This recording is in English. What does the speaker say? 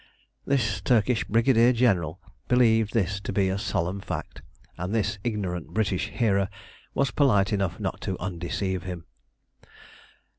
This Turkish brigadier general believed this to be a solemn fact, and his "ignorant" British hearer was polite enough not to undeceive him.